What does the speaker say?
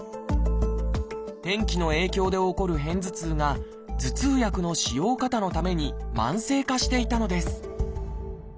天気の影響で起こる片頭痛が頭痛薬の使用過多のために慢性化していたのです